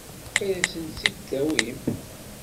Ad asent-tt-id-tawim?